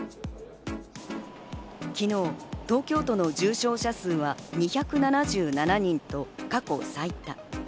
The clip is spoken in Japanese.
昨日、東京都の重症者数は２７７人と過去最多。